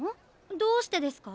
どうしてですか？